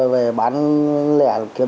đã gọi là một tổng tài khoản